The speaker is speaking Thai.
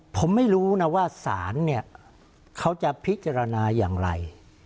ผมไม่รู้นะว่าศาลเนี่ยเขาจะพิจารณาอย่างไร